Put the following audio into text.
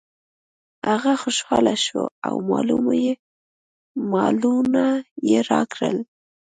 هغه خوشحاله شو او مالونه یې راکړل.